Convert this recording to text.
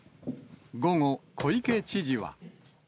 午後、小池知事は。